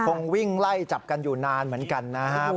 คงวิ่งไล่จับกันอยู่นานเหมือนกันนะครับ